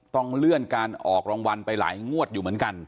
ต้องเลื่อนการออกรางวัลไปหลายงวดอยู่เหมือนกัน